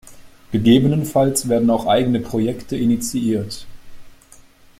Gegebenenfalls werden auch eigene Projekte initiiert.